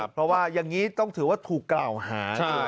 เพราะว่าอย่างนี้ต้องถือว่าถูกกล่าวหา